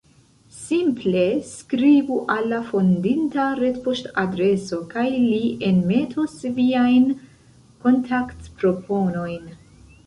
Simple skribu al la fondinta retpoŝtadreso, kaj li enmetos viajn kontaktproponojn.